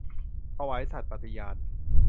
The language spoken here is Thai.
ถวายสัตย์ปฏิญาณ